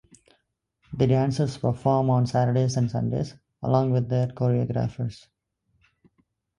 The dancers perform on Saturdays and Sundays along with their choreographers.